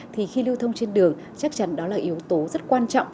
thì khi lưu thông trên đường chắc chắn đó là yếu tố rất quan trọng